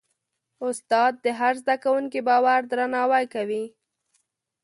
استاد د هر زده کوونکي باور درناوی کوي.